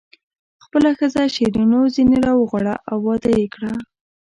خپله ښځه شیرینو ځنې راوغواړه او واده یې کړه.